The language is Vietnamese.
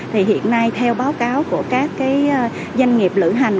thì hiện nay theo báo cáo của các doanh nghiệp lữ hành